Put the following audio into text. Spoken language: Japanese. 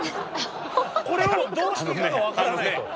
これをどうしていいかが分からないと。